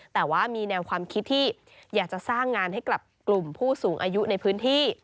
แต่ว่ามีแนวความคิดที่อยากจะสร้างงานให้กับกลุ่มผู้สูงอายุในพื้นที่